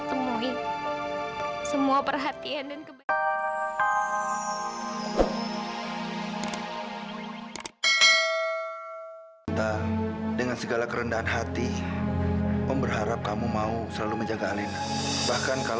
permisi dokter ini ada surat untuk dokter